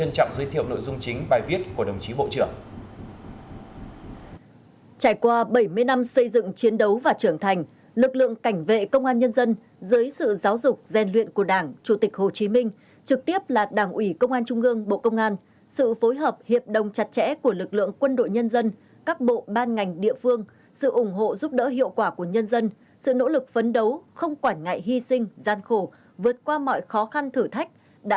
truyền hình công an nhân dân trân trọng giới thiệu nội dung chính bài viết của đồng chí bộ trưởng